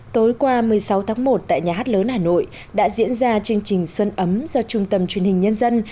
tối qua một mươi sáu tháng một tại nhà hát lớn hà nội đã diễn ra chương trình xuân ấm do trung tâm truyền hình nhân dân